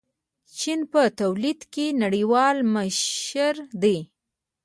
چین په تولید کې نړیوال مشر دی.